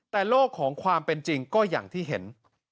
แต่โลกของความเป็นจริงก็อย่างที่เห็น